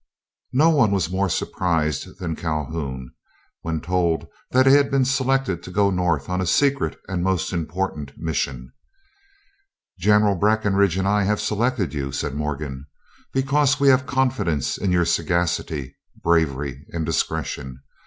No one was more surprised than Calhoun when told that he had been selected to go North on a secret and most important mission. "General Breckinridge and I have selected you," said Morgan, "because we have confidence in your sagacity, bravery, and discretion.